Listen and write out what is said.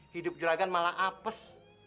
hidup juragan malah apes